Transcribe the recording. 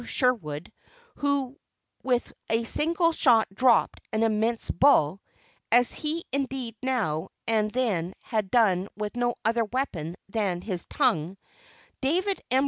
Sherwood, who with a single shot dropped an immense bull (as indeed he now and then has done with no other weapon than his tongue); David M.